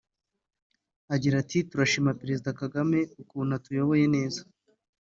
Agira ati “Turashimira Perezida Kagame ukuntu atuyoboye neza